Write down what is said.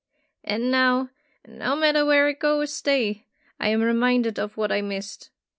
"And now, no matter where I go or stay, I am reminded of what I missed.